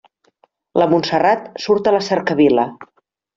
La Montserrat surt a la cercavila.